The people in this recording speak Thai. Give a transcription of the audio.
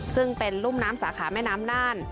ซึ่งเป็นรุ่มน้ำสาขาแม่น้ำน่าน